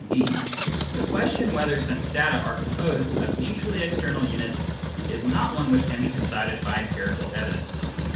(^) The question whether sense data are composed of mutually external units is not one which can be decided by empirical evidence.